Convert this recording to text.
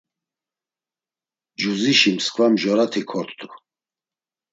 Cuzişi msǩva mjorati kort̆u.